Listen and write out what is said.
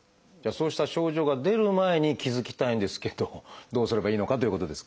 そうした症状が出る前に気付きたいんですけどどうすればいいのかということですが。